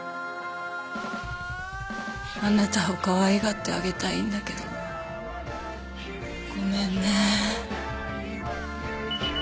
あなたをかわいがってあげたいんだけどごめんね